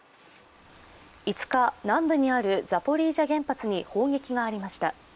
５日南部にあるザポリージャ原発に砲撃がありました。